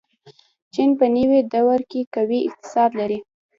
چین په نوې دور کې قوي اقتصاد لري.